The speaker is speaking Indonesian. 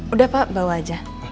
udah pak bawa aja